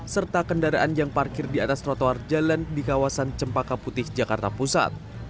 serta kendaraan yang parkir di atas trotoar jalan di kawasan cempaka putih jakarta pusat